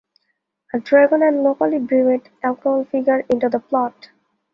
A dragon and locally brewed alcohol figure into the plot.